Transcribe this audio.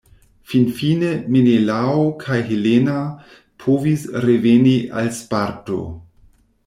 Finfine, Menelao kaj Helena povis reveni al Sparto.